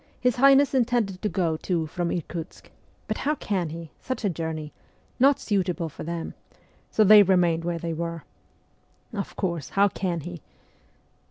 His Highness intended to go, too, from Irkutsk. But how can he ? Such a journey ! Not suitable for them. So they remained where they were.' ' Of course, how can he